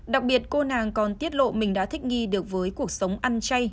đặc biệt cô nàng còn tiết lộ mình đã thích nghi được với cuộc sống ăn chay